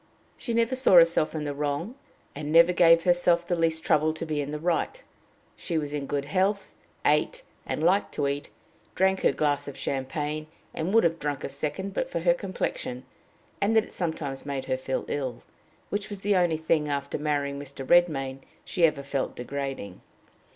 She never saw herself in the wrong, and never gave herself the least trouble to be in the right. She was in good health, ate, and liked to eat; drank her glass of champagne, and would have drunk a second, but for her complexion, and that it sometimes made her feel ill, which was the only thing, after marrying Mr. Redmain, she ever felt degrading.